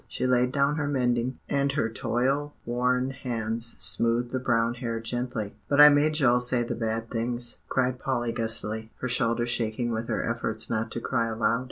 She laid down her mending, and her toil worn hands smoothed the brown hair gently. "But I made Joel say the bad things," cried Polly gustily, her shoulders shaking with her efforts not to cry aloud.